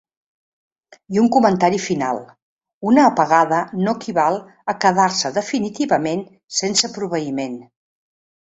I un comentari final: una apagada no equival a quedar-se definitivament sense proveïment.